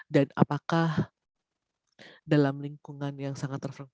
dan apakah dalam lingkungan yang sangat terfungsi